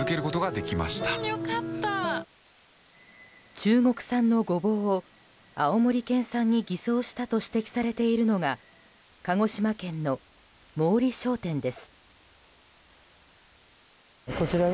中国産のゴボウを青森県産に偽装したと指摘されているのが鹿児島県の毛利商店です。